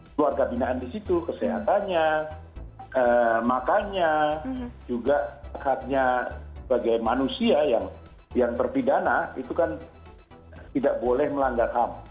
keluarga binaan di situ kesehatannya makanya juga haknya sebagai manusia yang terpidana itu kan tidak boleh melanggar ham